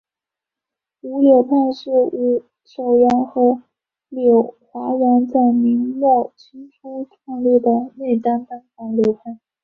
伍柳派是伍守阳和柳华阳在明末清初创立的内丹丹法流派。